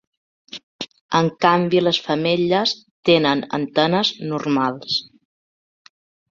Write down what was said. En canvi les femelles tenen antenes normals.